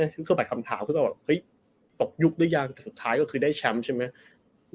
เข้าไปคำถามก็จะบอกว่าตกยุคได้ยังสุดท้ายก็คือได้แชมป์ใช่ไหม